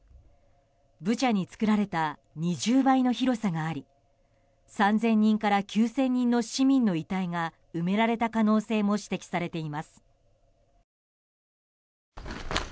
ブチャに作られた２０倍の広さがあり３０００人から９０００人の市民の遺体が埋められた可能性も指摘されています。